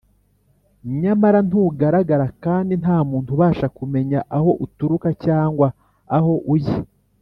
nyamara ntugaragara, kandi nta muntu ubasha kumenya aho uturuka cyangwa aho ujya